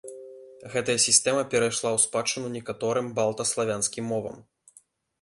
Гэтая сістэма перайшла ў спадчыну некаторым балта-славянскім мовам.